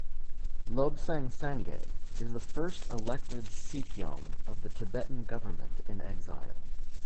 Lobsang Sangay is the first elected sikyong of the Tibetan Government in Exile.